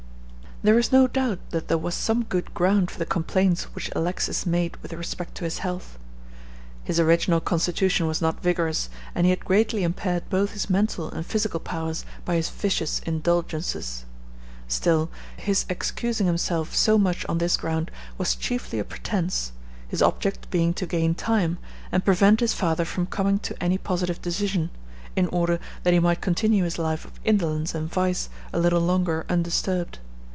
There is no doubt that there was some good ground for the complaints which Alexis made with respect to his health. His original constitution was not vigorous, and he had greatly impaired both his mental and physical powers by his vicious indulgences. Still, his excusing himself so much on this ground was chiefly a pretense, his object being to gain time, and prevent his father from coming to any positive decision, in order that he might continue his life of indolence and vice a little longer undisturbed.